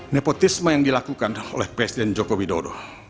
nepotisme yang dilakukan oleh presiden jokowi dodo